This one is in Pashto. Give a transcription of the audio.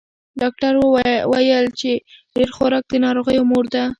ډاکتر ویل چې ډېر خوراک د ناروغیو مور ده.